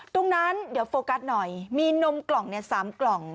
ตรงนั้นเดี๋ยวโฟกัสหน่อยมีนมกล่อง๓กล่อง